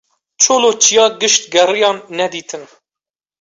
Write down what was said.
Çol û çiya gişt geriyan nedîtin.